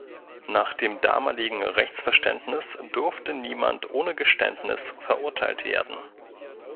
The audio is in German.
Nach dem damaligen Rechtsverständnis durfte niemand ohne Geständnis verurteilt werden.